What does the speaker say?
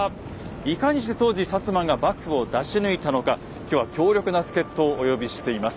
いかにして当時摩が幕府を出し抜いたのか今日は強力な助っ人をお呼びしています。